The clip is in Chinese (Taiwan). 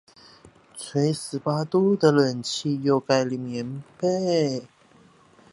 吹十八度的冷氣又蓋棉被